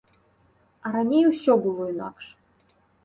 А раней ўсё было інакш.